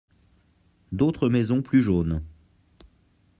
D’autres maisons plus jaunes.